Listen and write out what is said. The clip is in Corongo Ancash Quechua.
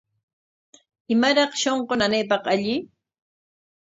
¿Imaraq shunqu nanaypaq alli?